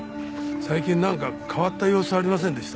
最近なんか変わった様子ありませんでした？